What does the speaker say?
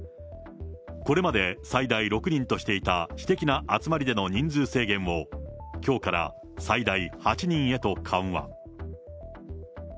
これまで最大６人としていた私的な集まりでの人数制限を、きょうから最大８人へと緩和。